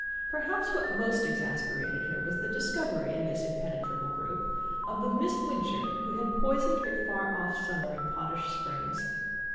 Perhaps what most exasperated her was the discovery, in this impenetrable group, of the Miss Wincher who had poisoned her far off summer at Potash Springs.